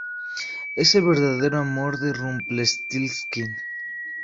Es el verdadero amor de Rumplestiltskin.